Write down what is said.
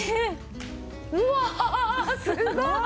うわすごーい！